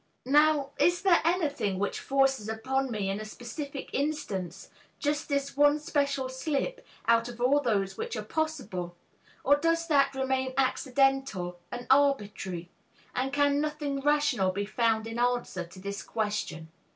Now, is there anything which forces upon me in a specific instance just this one special slip out of all those which are possible, or does that remain accidental and arbitrary, and can nothing rational be found in answer to this question?